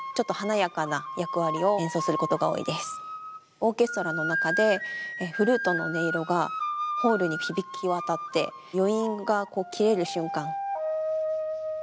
オーケストラの中でフルートの音色がホールに響き渡って余韻が切れる瞬間。